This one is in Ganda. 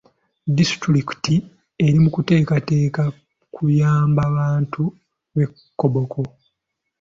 Disitulikiti eri mu kuteekateeka kuyamba bantu b'e Koboko.